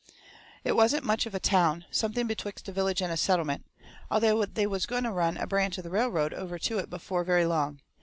It wasn't much of a town something betwixt a village and a settlement although they was going to run a branch of the railroad over to it before very long.